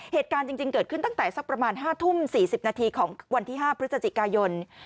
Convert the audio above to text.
เหตุการณ์จริงเกิดขึ้นตั้งแต่สักประมาณ๕ทุ่ม๔๐นาทีของวันที่๕พฤศจิกายน